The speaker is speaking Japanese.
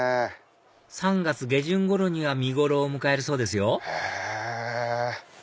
３月下旬ごろには見頃を迎えるそうですよへぇ。